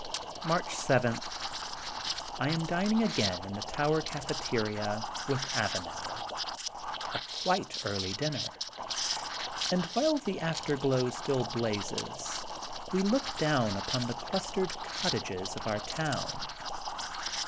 March 7: — ^I am dining again in the tower cafeteria with Avanel, a quite early dinner, and while the afterglow still blazes we look down upon the clustered cottages of our town.